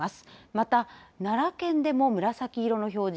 また奈良県でも紫色の表示。